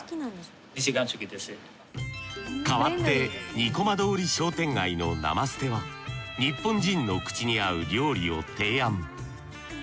変わってにこま通り商店街のナマステは日本人の口に合う料理を提案。